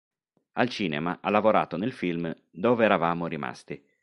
Al cinema ha lavorato nel film "Dove eravamo rimasti".